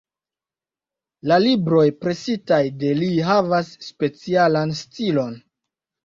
La libroj presitaj de li havas specialan stilon.